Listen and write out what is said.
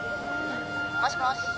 「もしもし？